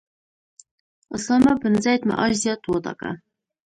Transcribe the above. اسامه بن زید معاش زیات وټاکه.